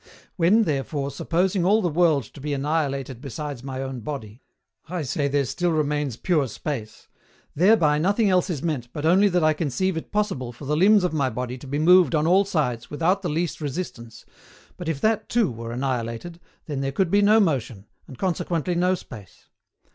When, therefore, supposing all the world to be annihilated besides my own body, I say there still remains pure Space, thereby nothing else is meant but only that I conceive it possible for the limbs of my body to be moved on all sides without the least resistance, but if that, too, were annihilated then there could be no motion, and consequently no Space.